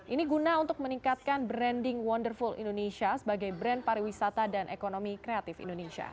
ini guna untuk meningkatkan branding wonderful indonesia sebagai brand pariwisata dan ekonomi kreatif indonesia